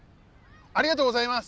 ありがとうございます！